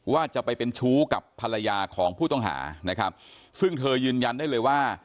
ว่าจะไปเป็นชู้กับภรรยาของผู้ต้องหานะครับซึ่งเธอยืนยันได้เลยว่า